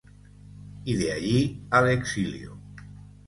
Y de allí al exilio.